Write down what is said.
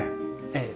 ええ。